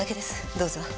どうぞ。